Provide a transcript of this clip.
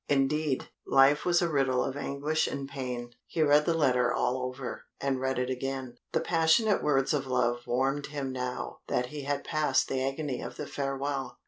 Indeed, life was a riddle of anguish and pain. He read the letter all over and read it again. The passionate words of love warmed him now that he had passed the agony of the farewell.